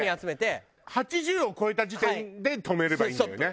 ８０を超えた時点で止めればいいね。